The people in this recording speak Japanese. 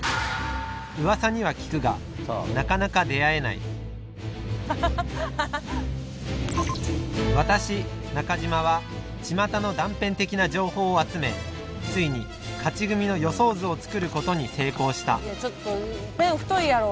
うわさには聞くがなかなか出会えない私中嶋はちまたの断片的な情報を集めついに勝ち組の予想図を作ることに成功したちょっとペン太いやろ。